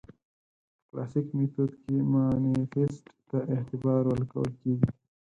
په کلاسیک میتود کې مانیفیست ته اعتبار ورکول کېده.